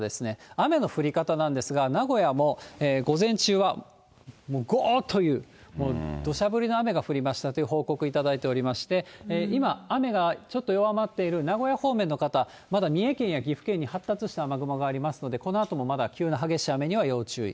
雨の降り方なんですが、名古屋も午前中は、もうごーっという、どしゃ降りの雨が降りましたという報告いただいておりまして、今、雨がちょっと弱まっている名古屋方面の方、まだ三重県や岐阜県に発達した雨雲がありますので、このあともまだ急な激しい雨には要注意。